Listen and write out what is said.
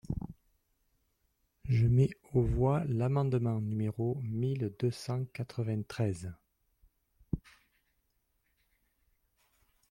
Je mets aux voix l’amendement numéro mille deux cent quatre-vingt-treize.